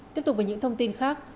tiếp tục với những thông tin khác